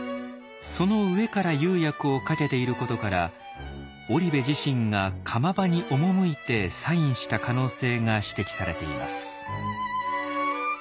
その上から釉薬をかけていることから織部自身が窯場に赴いてサインした可能性が指摘されています。